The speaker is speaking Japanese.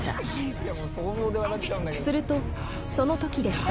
［するとそのときでした］